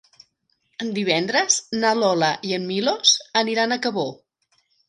Divendres na Lola i en Milos aniran a Cabó.